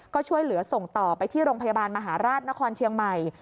ก็ช่วยเหลือส่งต่อไปที่โรงพยาบาลมหาราชนครเชียงใหม่